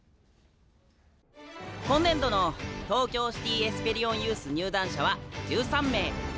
今年度の東京シティ・エスペリオンユース入団者は１３名。